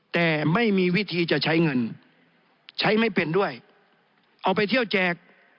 แต่ไม่มีวิธีจะใช้เงินใช้ไม่เป็นด้วยเอาไปเที่ยวแจก